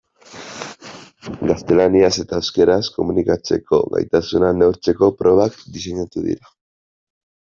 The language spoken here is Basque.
Gaztelaniaz eta euskaraz komunikatzeko gaitasuna neurtzeko probak diseinatu dira.